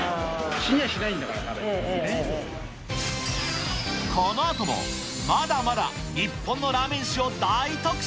死にはしないんだから、食べてもこのあとも、まだまだ日本のラーメン史を大特集。